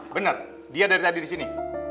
benar dia dari tadi di sini